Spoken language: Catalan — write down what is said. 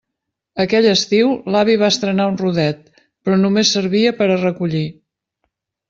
Aquell estiu l'avi va estrenar un rodet, però només servia per a recollir.